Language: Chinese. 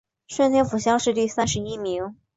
顺天府乡试第三十一名。